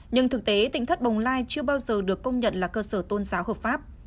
nhưng thực tế tỉnh thất bồng lai chưa bao giờ được công nhận là cơ sở tôn giáo hợp pháp